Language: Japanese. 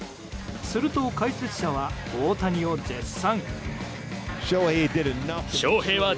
すると解説者は、大谷を絶賛。